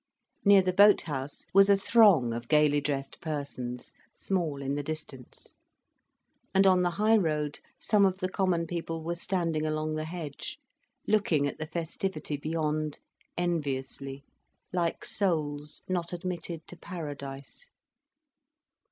Near the boat house was a throng of gaily dressed persons, small in the distance. And on the high road, some of the common people were standing along the hedge, looking at the festivity beyond, enviously, like souls not admitted to paradise.